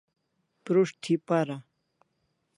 Prus't thi para